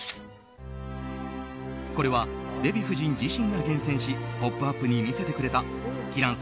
これはデヴィ夫人自身が厳選し「ポップＵＰ！」に見せてくれたキラン